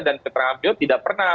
dan keterangan beliau tidak pernah